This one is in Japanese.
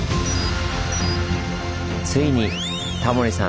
ついにタモリさん